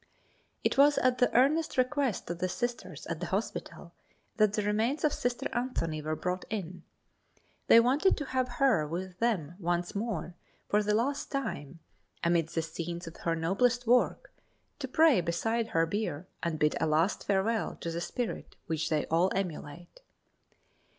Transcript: It was at the earnest request of the Sisters at the hospital that the remains of Sister Anthony were brought in. They wanted to have her with them once more for the last time, amid the scenes of her noblest work, to pray beside her bier and bid a last farewell to the spirit which they all emulate.